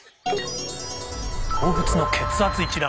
動物の血圧一覧。